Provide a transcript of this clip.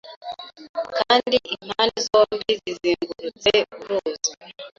Kandi impande zombi zizengurutse uruzi